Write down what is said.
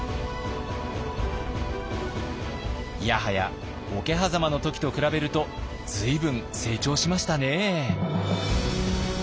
いやはや桶狭間の時と比べると随分成長しましたね。